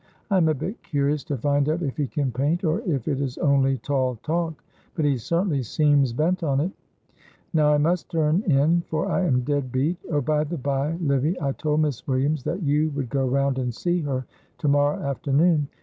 I am a bit curious to find out if he can paint or if it is only tall talk, but he certainly seems bent on it. Now I must turn in, for I am dead beat. Oh, by the bye, Livy, I told Miss Williams that you would go round and see her to morrow afternoon.